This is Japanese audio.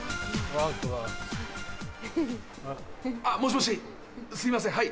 あっもしもしすいません。